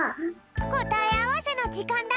こたえあわせのじかんだ。